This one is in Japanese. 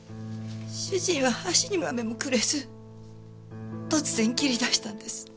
主人は箸には目もくれず突然切り出したんです。